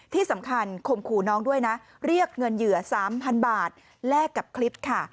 ที่สำคัญคมขู่น้องด้วยนะเรียกเงินเหยื่อ๓๐๐๐บาทแลกกับคลิปค่ะ